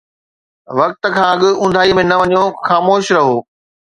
وقت کان اڳ اونداهيءَ ۾ نه وڃو، خاموش رهو